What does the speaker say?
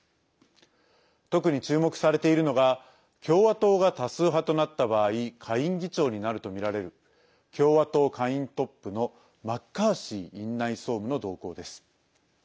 特に注目されているのが共和党が多数派となった場合下院議長になるとみられる共和党下院トップのマッカーシー院内総務の動向です。